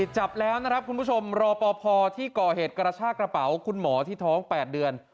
จับแล้วนะครับคุณผู้ชมรอปภที่ก่อเหตุกระชากระเป๋าคุณหมอที่ท้อง๘เดือน